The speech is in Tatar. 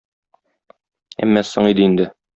Әмма соң иде инде.